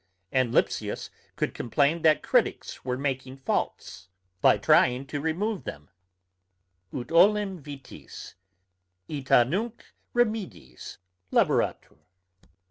And Lipsius could complain, that criticks were making faults, by trying to remove them, Ut olim vitiis, ita nunc remediis laboratur.